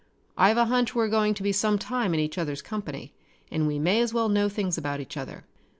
I've a hunch we're going to be some time in each other's company and we may as well know things about each other.